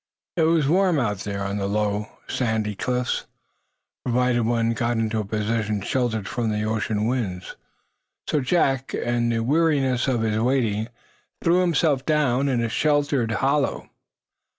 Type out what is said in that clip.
It was warm out there, on the low, sandy cliffs, provided one got into a position sheltered from the ocean winds. So Jack, in the weariness of his waiting, threw himself down in a sheltered hollow.